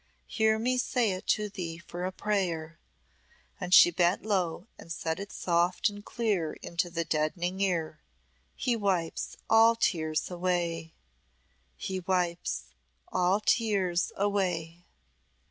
Hear me say it to thee for a prayer," and she bent low and said it soft and clear into the deadening ear, "He wipes all tears away He wipes all tears away."